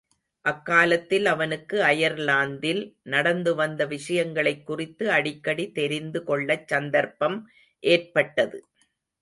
அக்காலத்தில் அவனுக்கு அயர்லாந்தில் நடந்து வந்த விஷயங்களைக் குறித்து அடிக்கடி தெரிந்து கொள்ளச்சந்தர்ப்பம் ஏற்பட்டது.